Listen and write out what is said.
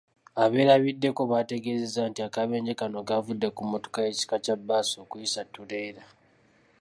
Abeerabiddeko bategeezezza nti akabenje kano kavudde ku mmotoka y'ekika kya bbaasi okuyisa ttuleera